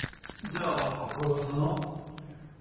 じゃあここが噂の？